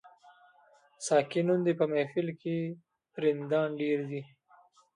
ساقي نن دي په محفل کي رندان ډیر دي